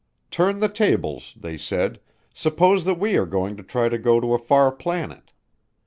Turn the tables, they said, suppose that we are going to try to go to a far planet.